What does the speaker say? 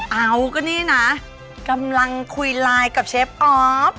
เอาก็นี่นะกำลังคุยไลน์กับเชฟออฟ